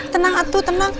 tenang atu tenang